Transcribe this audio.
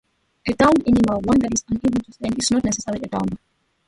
A downed animal, one that is unable to stand, is not necessarily a downer.